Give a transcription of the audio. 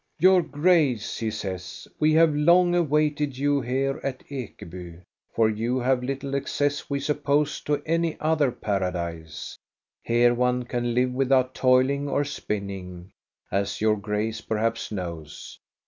"Your Grace," he says, "we have long awaited you here at Ekeby, for you have little access, we suppose, to any other paradise. Here one can live without toiling or spinning, as your Grace perhaps knows.